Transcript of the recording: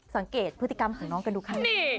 สังเกตพฤติกรรมของน้องกันดูค่ะ